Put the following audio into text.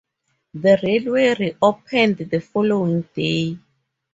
The railway reopened the following day.